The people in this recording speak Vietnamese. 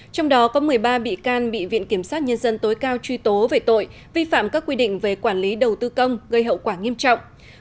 trong đó có một mươi ba bị can bị viện kiểm sát nhân dân tối cao truy tố về tội vi phạm các quy định về quản lý đầu tư công gây hậu quả nghiêm trọng